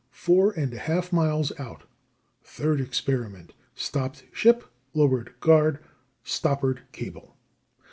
four and a half miles out. Third experiment stopped ship, lowered guard, stoppered cable.